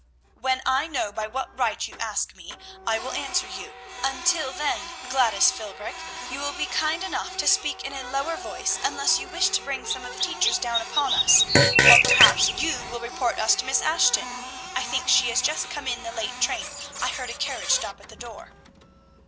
"When I know by what right you ask me, I will answer you; until then, Gladys Philbrick, will you be kind enough to speak in a lower voice, unless you wish to bring some of the teachers down upon us, or perhaps you will report us to Miss Ashton; I think she has just come in the late train, I heard a carriage stop at the door."